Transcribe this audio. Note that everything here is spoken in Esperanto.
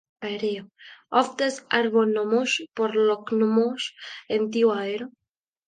Oftas arbonomoj por loknomoj en tiu areo.